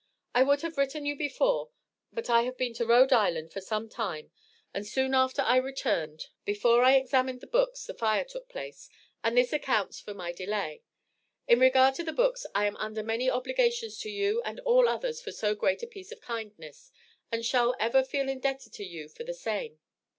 I would have written you before, but I have been to R.I. for some time and soon after I returned before I examined the books, the fire took place, and this accounts for my delay. In regard to the books I am under many obligations to you and all others for so great a piece of kindness, and shall ever feel indebted to you for the same.